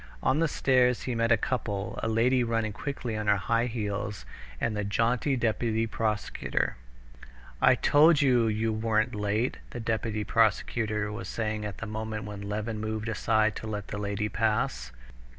On the stairs he met a couple—a lady running quickly on her high heels and the jaunty deputy prosecutor. "I told you you weren't late," the deputy prosecutor was saying at the moment when Levin moved aside to let the lady pass.